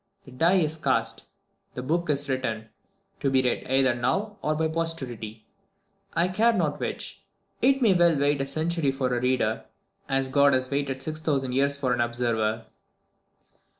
The die is cast; the book is written, to be read either now or by posterity, I care not which. It may well wait a century for a reader, as God has waited six thousand years for an observer."